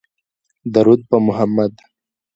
درود په محمدﷺ